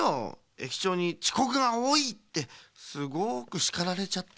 えきちょうに「ちこくがおおい！」ってすごくしかられちゃった。